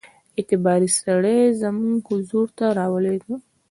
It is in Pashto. اعتباري سړی زموږ حضور ته را ولېږه.